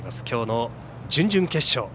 きょうの準々決勝